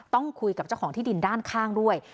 ต้องคุยกับเจ้าของที่ดินด้านข้างด้วย